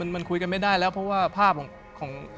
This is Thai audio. มันคุยกันไม่ได้แล้วเพราะว่าภาพของ